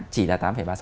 chỉ là tám ba mươi sáu